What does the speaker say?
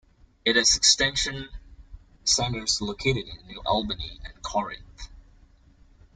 It has extension centers located in New Albany and Corinth.